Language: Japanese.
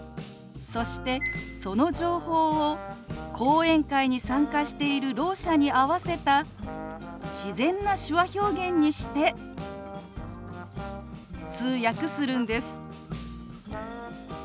そしてその情報を講演会に参加しているろう者に合わせた自然な手話表現にして通訳するんです。